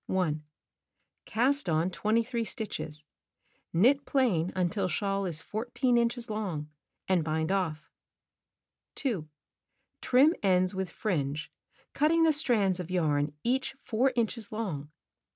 1. Cast on 23 stitches Knit plain until shawl is 14 inches long; and bind off. 2. Trim ends with fringe, cutting the strands of yam each 4 inches long.